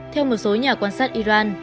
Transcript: theo một số nhà quan sát iran